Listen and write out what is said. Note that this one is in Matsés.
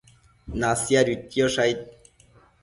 Nasiaduidquiosh aid